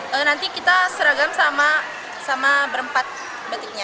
jadi nanti kita seragam sama berempat batiknya